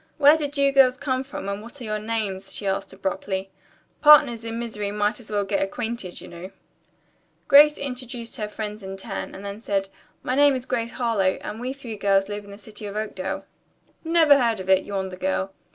"Where did you girls come from and what are your names?" she asked abruptly. "Partners in misery might as well get acquainted, you know." Grace introduced her friends in turn, then said: "My name is Grace Harlowe, and we three girls live in the city of Oakdale." "Never heard of it," yawned the girl.